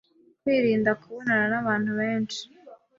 kwirinda kubonana n'abantu benshi